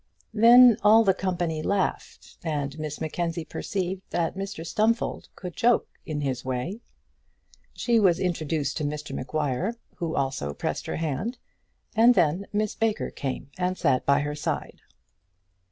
Then all the company laughed, and Miss Mackenzie perceived that Mr Stumfold could joke in his way. She was introduced to Mr Maguire, who also pressed her hand; and then Miss Baker came and sat by her side.